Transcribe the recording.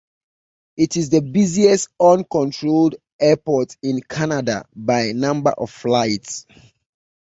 It is the busiest uncontrolled airport in Canada by number of flights.